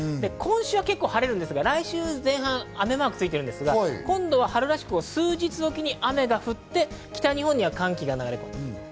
今週は結構晴れるんですが、来週前半、雨マークついてるんですが、今度は数日おきに雨が降って、北日本では寒気が流れ込む。